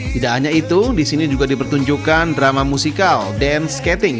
tidak hanya itu di sini juga dipertunjukkan drama musikal dance skating